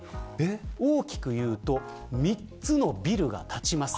大きく言うと３つのビルが建ちます。